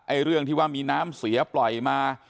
เรื่องที่ว่ามีน้ำเสียปล่อยมา